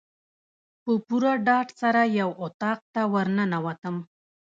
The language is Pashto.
په پوره ډاډ سره یو اطاق ته ورننوتم.